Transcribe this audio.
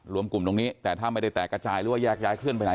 รวมกลุ่มตรงนี้แต่ถ้าไม่ได้แตกกระจายหรือว่าแยกย้ายเคลื่อนไปไหน